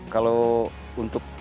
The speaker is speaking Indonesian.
kalau untuk pelajar